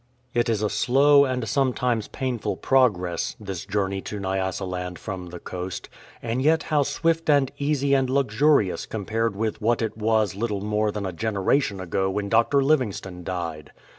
It is a slow and sometimes painful progress, this journey to Nyasaland from the coast ; and yet how swift and easy and luxurious compared with what it was little more than a generation ago when Dr. Livingstone died